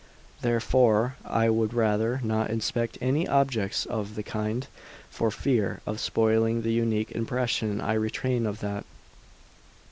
Therefore I would rather not inspect any objects of the kind, for fear of spoiling the unique impression I retain of that.